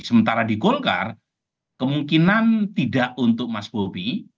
sementara di golkar kemungkinan tidak untuk mas bobi